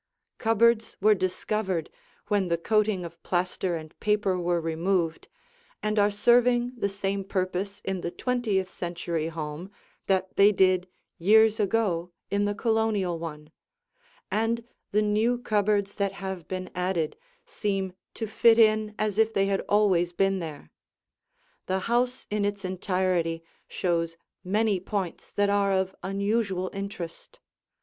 Cupboards were discovered, when the coating of plaster and paper were removed, and are serving the same purpose in the twentieth century home that they did years ago in the Colonial one; and the new cupboards that have been added seem to fit in as if they had always been there. The house in its entirety shows many points that are of unusual interest.